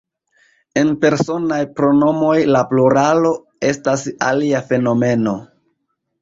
En Personaj pronomoj, la pluralo estas alia fenomeno.